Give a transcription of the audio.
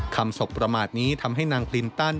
คำศพประมาทนี้ทำให้นางฮิลาลี่คลินตัน